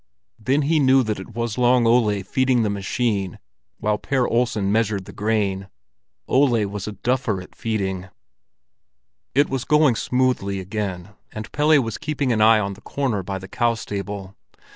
Then he knew that it was Long Ole feeding the machine while Per Olsen measured the grain: Ole was a duffer at feeding. It was going smoothly again, and Pelle was keeping an eye on the corner by the cow stable.